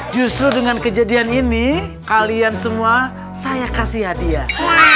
justru dengan kejadian ini kalian semua saya kasih hadiah